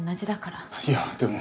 いやでも。